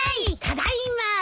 ただいまー。